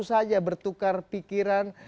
saja bertukar pikiran